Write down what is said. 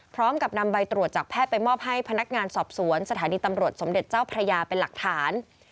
พร้อมกับนำใบตรวจจากแพทย์ไปมอบให้พนักงานสอบสวนสถานีตำรวจสมเด็จเจ้าพระยาเป็นหลักฐาน